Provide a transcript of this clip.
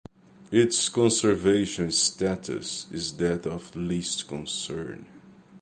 Its conservation status is that of least concern.